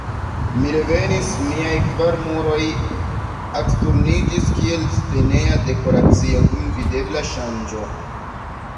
Mi revenis: miaj kvar muroj aksturniĝis, kiel sceneja dekoracio dum videbla ŝanĝo.